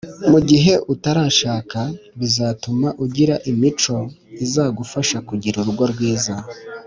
Mu gihe utarashaka bizatuma ugira imico izagufasha kugira urugo rwiza